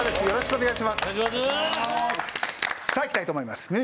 よろしくお願いします。